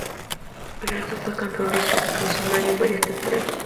Perazzo fue Campeón rosarino en varias temporadas.